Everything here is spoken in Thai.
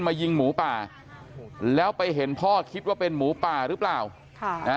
มายิงหมูป่าแล้วไปเห็นพ่อคิดว่าเป็นหมูป่าหรือเปล่าค่ะนะ